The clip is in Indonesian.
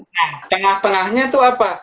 nah tengah tengahnya itu apa